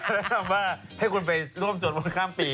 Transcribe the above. ทำให้คุณไปร่วมสวดภนข้ามปี